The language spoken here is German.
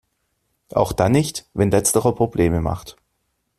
Auch dann nicht, wenn letzterer Probleme macht.